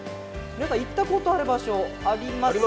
行ったことある場所ありますか？